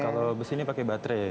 kalau bus ini pakai baterai